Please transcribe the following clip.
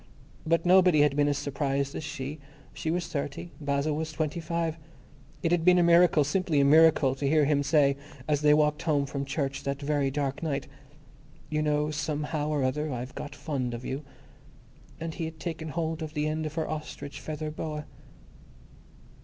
But nobody had been as surprised as she. She was thirty. Basil was twenty five. It had been a miracle, simply a miracle, to hear him say, as they walked home from church that very dark night, "You know, somehow or other, I've got fond of you." And he had taken hold of the end of her ostrich feather boa.